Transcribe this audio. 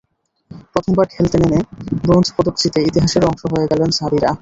প্রথমবার খেলতে নেমে ব্রোঞ্জ পদক জিতে ইতিহাসেরও অংশ হয়ে গেলেন সাবিরা।